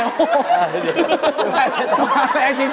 ตรงนี้มาแรงจริง